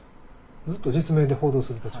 ずっと実名で報道する立場。